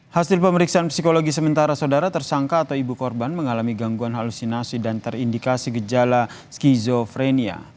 hasil pemeriksaan psikologi sementara saudara tersangka atau ibu korban mengalami gangguan halusinasi dan terindikasi gejala skizofrenia